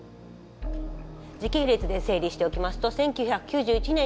時系列で整理しておきますと１９９１年に湾岸戦争。